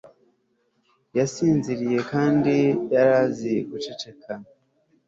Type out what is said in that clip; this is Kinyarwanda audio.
yasinziriye kandi yari azi guceceka